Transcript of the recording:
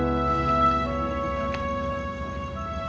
aku mau pergi